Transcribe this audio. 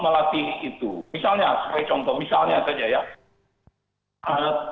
misalnya sebagai contoh misalnya saja ya